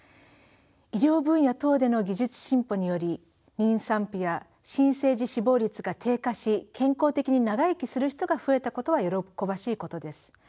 医療分野等での技術進歩により妊産婦や新生児死亡率が低下し健康的に長生きする人が増えたことは喜ばしいことです。